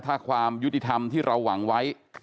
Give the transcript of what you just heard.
ถ้าความยุติธรรมที่เราหวังไว้